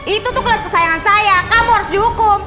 itu tuh kelas kesayangan saya kamu harus dihukum